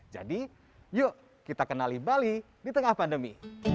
jadi yuk kita kenali bali di tengah pandemi